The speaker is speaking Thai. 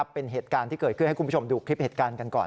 เป็นเหตุการณ์ที่เกิดขึ้นให้คุณผู้ชมดูคลิปเหตุการณ์กันก่อน